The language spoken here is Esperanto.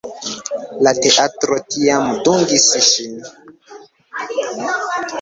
La teatro tiam dungis ŝin.